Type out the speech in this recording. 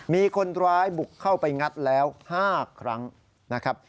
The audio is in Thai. มีคนร้ายบุกเข้าไปงัดแล้ว๕ครั้งนะครับ